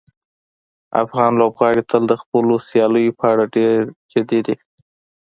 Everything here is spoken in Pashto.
افغان لوبغاړي تل د خپلو سیالیو په اړه ډېر جدي دي.